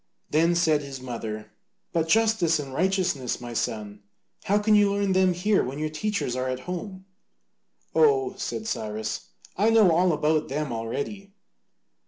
Then said his mother, "But justice and righteousness, my son, how can you learn them here when your teachers are at home?" "Oh," said Cyrus, "I know all about them already."